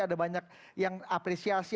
ada banyak yang apresiasi